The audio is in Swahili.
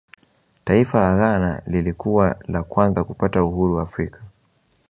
taifa la ghana lilikuwa la kwanza kupata uhuru afrika